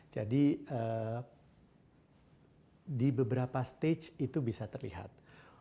jadi di beberapa stage itu bisa terlihat